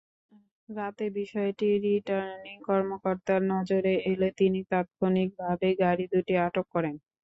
রাতে বিষয়টি রিটার্নিং কর্মকর্তার নজরে এলে তিনি তাৎক্ষণিকভাবে গাড়ি দুটি আটক করেন।